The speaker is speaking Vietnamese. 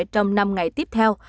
trong năm ngày tiếp theo